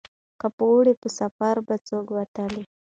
که په اوړي په سفر به څوک وتله